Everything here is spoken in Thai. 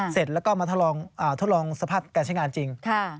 เสร็จแล้วก็มาทดลองสภาพการใช้งานจริง